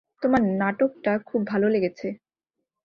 তোমার নাটকটা খুব ভালো লেগেছে।